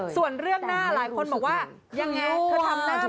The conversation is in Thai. ส่วนเรื่องหน้าหลายคนบอกว่ายังไงเธอทำหน้าที่